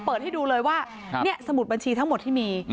เปิดให้ดูเลยว่าสมุดบัญชีทั้งหมดที่มี